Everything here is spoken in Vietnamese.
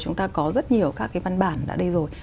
chúng ta có rất nhiều các cái văn bản đã đây rồi